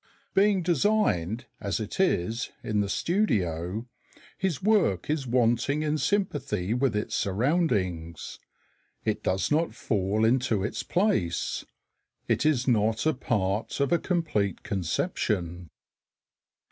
Being designed, as it is, in the studio, his work is wanting in sympathy with its surroundings; it does not fall into its place, it is not a part of a complete conception.